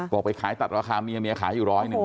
ไปขายตัดราคาเมียเมียขายอยู่ร้อยหนึ่ง